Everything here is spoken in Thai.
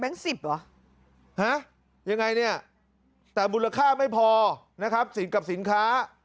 สิบเหรอฮะยังไงเนี่ยแต่มูลค่าไม่พอนะครับสินกับสินค้า